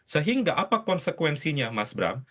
sehingga apa konsekuensinya mas bram